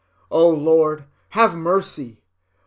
O Lord, have mercy!